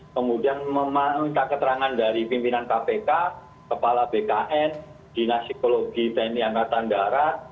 kemudian meminta keterangan dari pimpinan kpk kepala bkn dinas psikologi tni angkatan darat